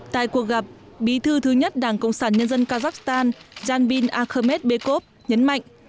tại cuộc gặp bí thư thứ nhất đảng cộng sản nhân dân kazakhstan janbin akhmed bekov nhấn mạnh